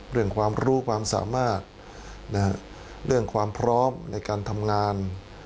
เรื่องความรู้ความสามารถเรื่องความพร้อมในการทำงาน